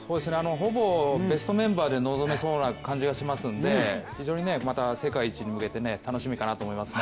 ほぼ、ベストメンバーで臨めそうな感じがしますので、非常にまた、世界一に向けて楽しみかなと思いますね。